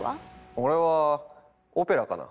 俺はオペラかな。